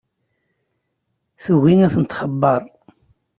Tugi ad tent-txebber.